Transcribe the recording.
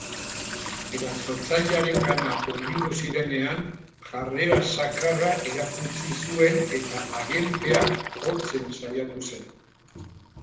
Erasotzailearengana hurbildu zirenean, jarrera zakarra erakutsi zuen eta agenteak jotzen saiatu zen.